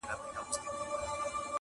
یو څه ستا فضل یو څه به دوی وي٫